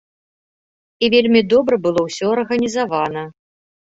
І вельмі добра было ўсё арганізавана.